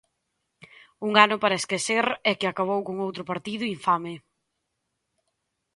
Un ano para esquecer e que acabou con outro partido infame.